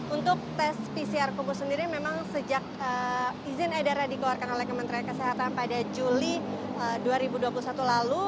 untuk tes pcr kuku sendiri memang sejak izin edaran dikeluarkan oleh kementerian kesehatan pada juli dua ribu dua puluh satu lalu